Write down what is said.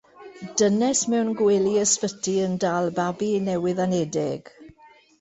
Dynes mewn gwely ysbyty yn dal babi newydd-anedig.